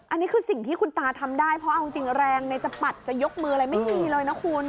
อันนี้คือสิ่งที่คุณตาทำได้เพราะเอาจริงแรงในจะปัดจะยกมืออะไรไม่มีเลยนะคุณ